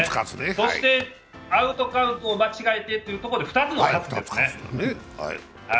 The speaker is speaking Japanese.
そしてアウトカウントを間違えてというところで２つの喝ですね。